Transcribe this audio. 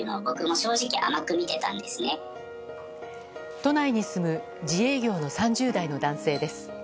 都内に住む自営業の３０代の男性です。